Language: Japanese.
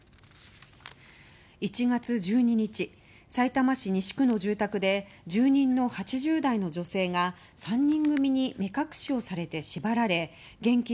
１月１２日さいたま市西区の住宅で住人の８０代の女性が３人組に目隠しをされて縛られ現金